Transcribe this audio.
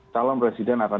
calon presiden akan